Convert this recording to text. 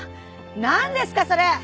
なんですかそれ！